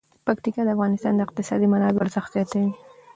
پکتیکا د افغانستان د اقتصادي منابعو ارزښت زیاتوي.